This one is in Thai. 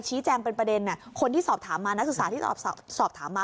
ชี้แจงเป็นประเด็นคนที่สอบถามมานักศึกษาที่สอบถามมา